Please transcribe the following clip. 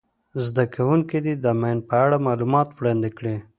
زده کوونکي دې د ماین په اړه معلومات وړاندي کړي.